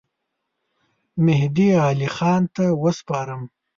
مهدي علي خان ته وسپارم.